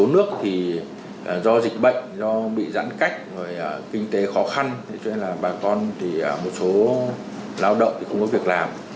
do bị giãn cách kinh tế khó khăn cho nên là bà con thì một số lao động thì không có việc làm